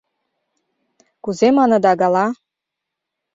Кузе маныда гала?